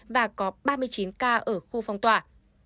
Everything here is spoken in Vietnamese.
và có ba mươi chín ca ở khu phong tỏa